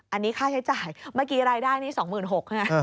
อันนี้ค่าใช้จ่ายเมื่อกี้รายได้นี่๒๖๐๐ใช่ไหม